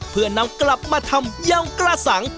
เพื่อนำกลับมาทำยำกระสัง